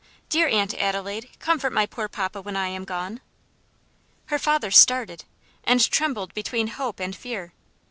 Dear Aunt Adelaide, comfort my poor papa when I am gone." Her father started, and trembled between hope and fear.